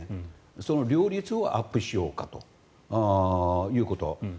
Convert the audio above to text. その料率をアップしようかということ。